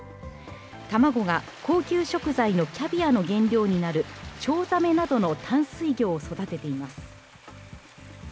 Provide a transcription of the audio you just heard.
卵が高級食材のキャビアの原料になるチョウザメなどの淡水魚を育てています。